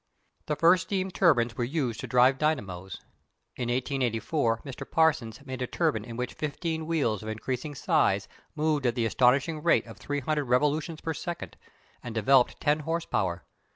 The first steam turbines were used to drive dynamos. In 1884 Mr. Parsons made a turbine in which fifteen wheels of increasing size moved at the astonishing rate of 300 revolutions per second, and developed 10 horse power.